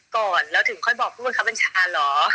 ก่อนแล้วค่อยบอกท่านพี่วันชาญเหรอ